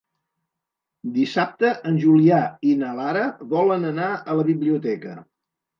Dissabte en Julià i na Lara volen anar a la biblioteca.